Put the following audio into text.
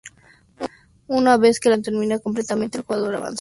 Una vez que la transmisión termina completamente, el jugador avanza.